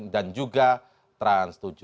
dan juga trans tujuh